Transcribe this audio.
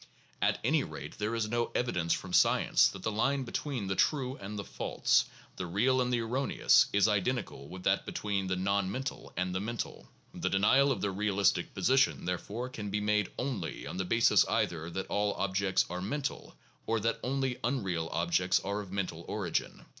At any rate, there is no evidence from science that the line between the true and the false, the real and the erroneous, is identical with that between the non mental and the mental. The denial of the realistic position, therefore, can be made only on the basis either that all objects are mental or that only unreal objects are of mental origin.